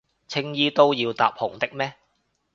青衣都要搭紅的咩？